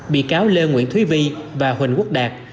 bị cáo lê nguyễn thúy vi và huỳnh quốc đạt